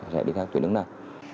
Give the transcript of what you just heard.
sẽ đưa ra tuyến đường này